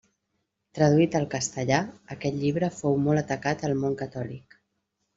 Traduït al castellà, aquest llibre fou molt atacat al món catòlic.